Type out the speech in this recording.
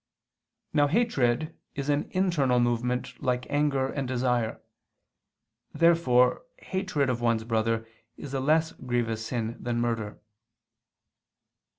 Now hatred is an internal movement like anger and desire. Therefore hatred of one's brother is a less grievous sin than murder.